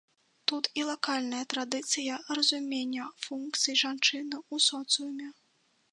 Тут і лакальная традыцыя разумення функцый жанчыны ў соцыуме.